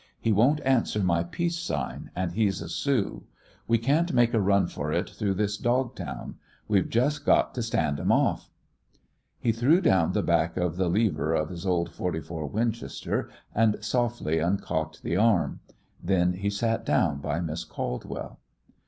"He won't answer my peace sign, and he's a Sioux. We can't make a run for it through this dog town. We've just got to stand 'em off." He threw down and back the lever of his old 44 Winchester, and softly uncocked the arm. Then he sat down by Miss Caldwell.